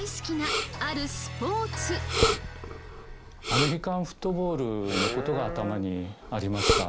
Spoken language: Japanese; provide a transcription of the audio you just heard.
アメリカンフットボールのことが頭にありました。